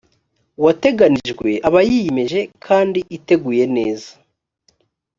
wateganijwe aba yiyemeje kandi iteguye neza